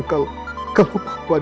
kalau papa dan